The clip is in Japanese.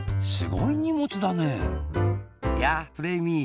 やあフレーミー！